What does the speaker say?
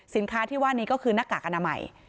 สินค้าที่ว่านี้ก็คือนกากอนามัย